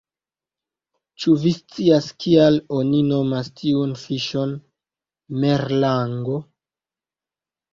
Ĉu vi scias kial oni nomas tiun fiŝon merlango?